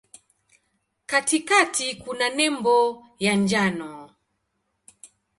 Katikati kuna nembo ya njano.